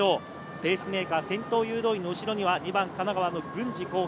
ペースメーカー、先頭誘導員の後ろには神奈川の郡司浩平。